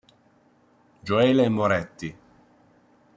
Gioele Moretti